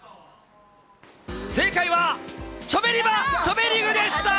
正解は、チョベリバ・チョベリグでした。